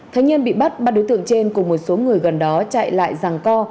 thế nhiên bị bắt ba đối tượng trên cùng một số người gần đó chạy lại giằng co